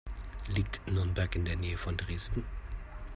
Liegt Nürnberg in der Nähe von Dresden?